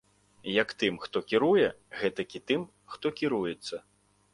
Як тым, хто кіруе, гэтак і тым, хто кіруецца.